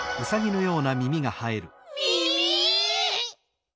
耳？